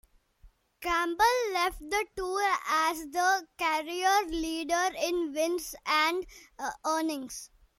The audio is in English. Campbell left the tour as the career leader in wins and earnings.